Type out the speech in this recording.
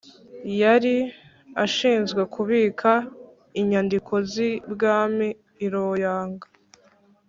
yari ashinzwe kubika inyandiko z’i bwami i loyang